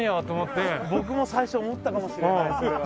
僕も最初思ったかもしれないそれは。